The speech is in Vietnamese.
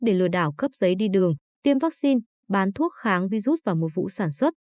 để lừa đảo cấp giấy đi đường tiêm vaccine bán thuốc kháng virus và mua vụ sản xuất